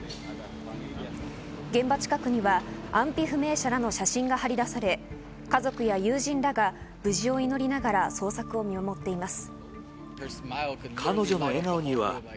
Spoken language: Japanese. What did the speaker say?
現場近くには安否不明者らの写真が張り出され、家族や友人らが無事を祈りながら捜索を見守っています。